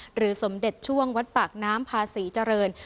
สมเด็จช่วงวัดปากน้ำพาศรีเจริญ